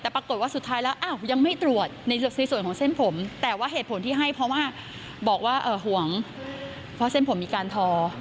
แต่ปรากฏว่าสุดท้ายแล้วอ้าวยังไม่ตรวจในส่วนของเส้นผมแต่ว่าเหตุผลที่ให้เพราะว่าบอกว่าห่วงเพราะเส้นผมมีการทอ